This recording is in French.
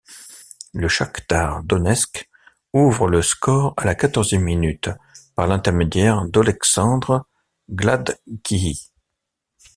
Le Chakhtar Donetsk ouvre le score à la quatorzième minute par l'intermédiaire d'Oleksandr Gladkiy.